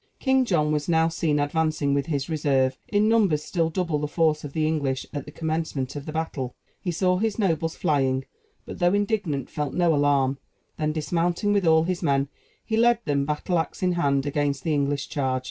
King John was now seen advancing with his reserve, in numbers still double the force of the English at the commencement of the battle. He saw his nobles flying, but though indignant, felt no alarm; then, dismounting with all his men, he led them, battle axe in hand, against the English charge.